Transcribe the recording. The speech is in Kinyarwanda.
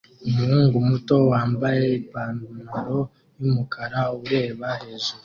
Umuhungu muto wambaye ipantaro yumukara ureba hejuru